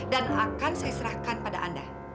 dan akan saya serahkan pada anda